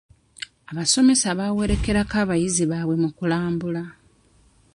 Abasomesa bawerekerako abayizi baabwe mu kulambula.